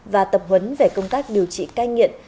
và tập huấn về công tác điều trị cai nghiện